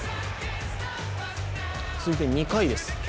続いて２回です。